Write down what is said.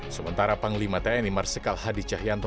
sementara panglima tni marsikal hadi cahyanto